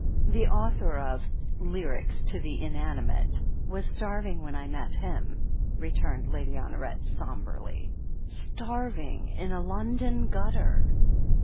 "The author of 'Lyrics to the Inanimate' was starv ing when I met him," returned Lady Honoret som brely — "starving in a London gutter."